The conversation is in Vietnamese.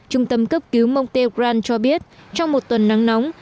trung tâm cấp cứu montégrin cho biết trong một tuần nắng nóng